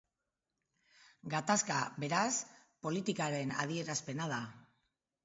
Gatazka, beraz, politikaren adierazpena da.